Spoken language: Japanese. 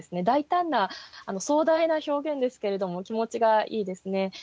大胆な壮大な表現ですけれども気持ちがいいですね。